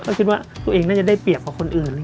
ก็คิดว่าตัวเองน่าจะได้เปรียบกับคนอื่น